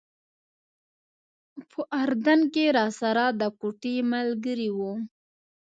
په اردن کې راسره د کوټې ملګری و.